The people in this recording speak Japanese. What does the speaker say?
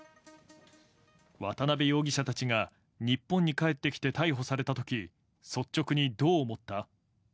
渡辺容疑者たちが日本に帰ってきて逮捕されたとき、率直にどう思った？